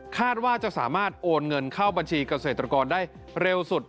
คาดว่าจะสามารถโอนเงินเข้าบัญชีเกษตรกรได้เร็วสุด